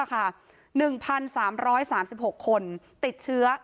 ชุมชนแฟลต๓๐๐๐๐คนพบเชื้อ๓๐๐๐๐คนพบเชื้อ๓๐๐๐๐คน